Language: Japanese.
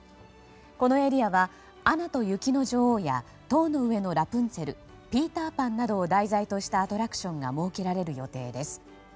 このエリアは「アナと雪の女王」や「塔の上のラプンツェル」「ピーター・パン」などを題材としたアトラクションが設けられる予定です。